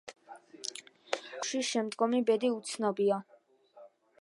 აღსანიშნავია, რომ ბავშვის შემდგომი ბედი უცნობია.